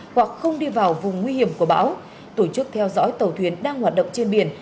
hoặc không đi vào vùng nguy hiểm của bão tổ chức theo dõi tàu thuyền đang hoạt động trên biển